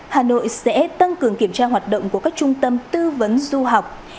hà nội sẽ tăng cường kiểm tra hoạt động của các trung tâm tư vấn du học